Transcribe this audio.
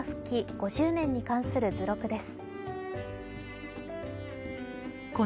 ５０年に関する図録です。